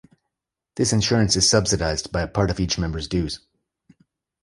This insurance is subsidized by part of each member's dues.